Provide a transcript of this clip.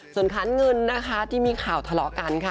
ส่วนค้านเงินนะคะที่มีข่าวทะเลาะกันค่ะ